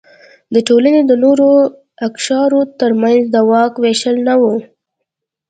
د ټولنې د نورو اقشارو ترمنځ د واک وېشل نه و.